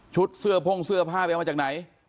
เสื้อพ่งเสื้อผ้าไปเอามาจากไหน